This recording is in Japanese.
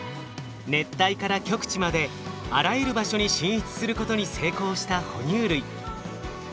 熱帯から極地まであらゆる場所に進出することに成功した哺乳類。